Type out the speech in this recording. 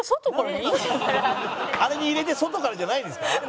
あれに入れて外からじゃないんですか？